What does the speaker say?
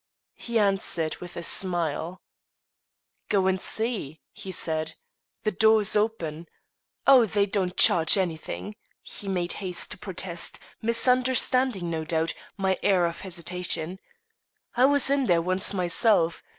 He answered with a smile. "Go and see," he said; "the door's open. Oh, they don't charge anything," he made haste to protest, misunderstanding, no doubt, my air of hesitation. "I was in there once myself.